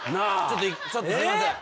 ちょっとすいません。